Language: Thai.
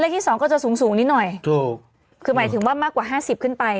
ที่สองก็จะสูงสูงนิดหน่อยถูกคือหมายถึงว่ามากกว่าห้าสิบขึ้นไป